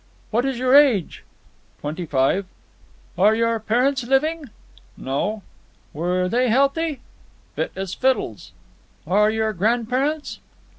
"What is your age?" "Twenty five." "Are your parents living?" "No." "Were they healthy?" "Fit as fiddles." "And your grandparents?"